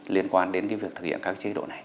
liên quan đến việc thực hiện các chế độ này